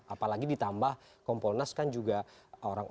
apalagi ditambah kompolnas kan juga orang orang